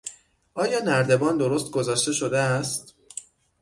آیا نردبان درست گذاشته شده است؟